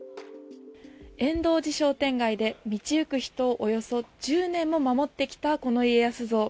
円頓寺商店街で道行く人をおよそ１０年も守ってきたこの家康像。